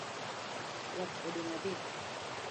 Yath odong’ adek